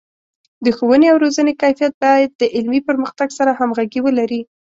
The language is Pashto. د ښوونې او روزنې کیفیت باید د علمي پرمختګ سره همغږي ولري.